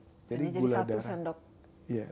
jadi jadi satu sendok teh